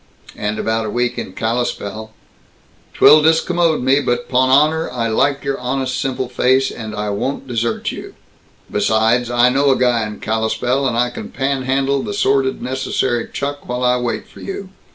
"And about a week in Kalispell!" "'Twill discommode me, but 'pon honor, I like your honest simple face, and I won't desert you. Besides! I know a guy in Kalispell, and I can panhandle the sordid necessary chuck while I wait for you.